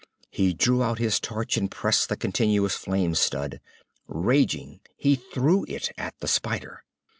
He drew out his torch and pressed the continuous flame stud. Raging, he threw it at the spider.